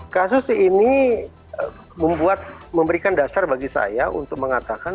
kasus ini memberikan dasar bagi saya untuk mengatakan